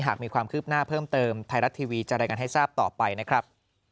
หากมีความคืบหน้าเพิ่มเติมไทยรัฐทีวีจะรายงานให้ทราบต่อไปนะครับ